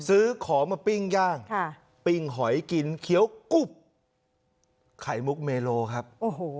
ซื้อของมาปิ้งย่างปิ้งหอยกินเคี้ยวกุบไข่มุกเมโลครับโอ้โห